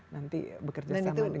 nanti bekerja sama dengan bagian statistik